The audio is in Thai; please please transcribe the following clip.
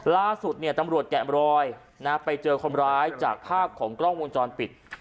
ล่าสุดเนี่ยตำรวจแกะมรอยไปเจอคนร้ายจากภาพของกล้องวงจรปิด